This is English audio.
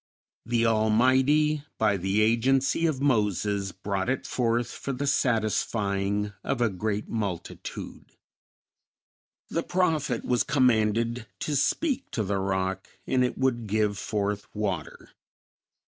The Almighty, by the agency of Moses, brought it forth for the satisfying of a great multitude. The prophet was commanded to speak to the rock and it would give forth water.